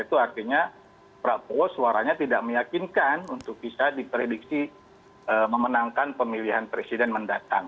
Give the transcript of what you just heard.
itu artinya prabowo suaranya tidak meyakinkan untuk bisa diprediksi memenangkan pemilihan presiden mendatang